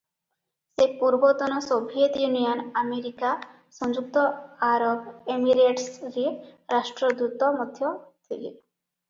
ସେ ପୂର୍ବତନ Soviet Union, America, ସଂଯୁକ୍ତ ଆରବ ଏମିରେଟ୍ସରେ ରାଷ୍ଟ୍ରଦୂତ ମଧ୍ୟ ଥିଲେ ।